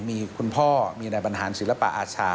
มีคุณพ่อมีนายบรรหารศิลปะอาชา